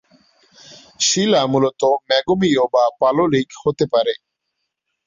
শিলা মূলত ম্যাগমীয় বা পাললিক হতে পারে।